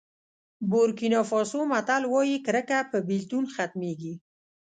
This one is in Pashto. بورکېنا فاسو متل وایي کرکه په بېلتون ختمېږي.